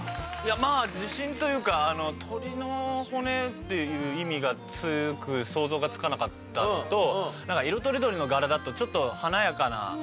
まあ自信というか鳥の骨っていう意味がつく想像がつかなかったのと色とりどりの柄だとちょっと華やかなイメージなので。